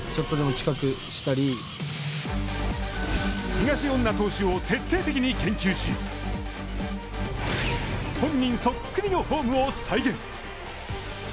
東恩納投手を徹底的に研究し、本人そっくりのフォームを再現。